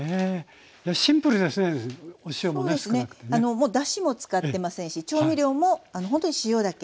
もうだしも使ってませんし調味料もほんとに塩だけ。